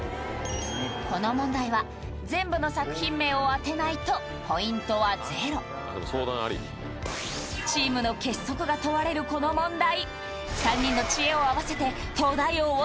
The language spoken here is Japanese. この問題は全部の作品名を当てないとポイントはゼロチームの結束が問われるこの問題